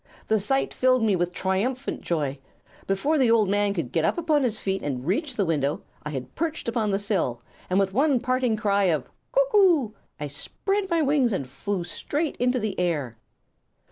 The sight filled me with triumphant joy. Before the old man could get upon his feet and reach the window I had perched upon the sill, and with one parting cry of 'Cuck oo!' I spread my wings and flew straight into the air.